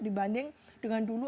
dibanding dengan dulu